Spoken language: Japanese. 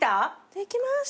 できました。